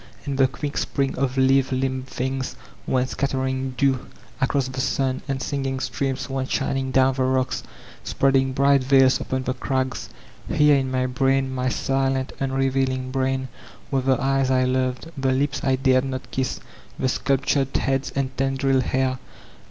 And the quick spring of lithe limbed tfungs went scattering dew across the sun ; and singing streams went shining down the rocks, spreading bright veils upon the crags. Here in my brain, my silent unrevealing brain, were the eyes I loved, the lips I dared not kiss, the sculptured heads and tendriled hair.